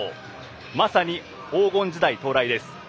まさに黄金時代到来です。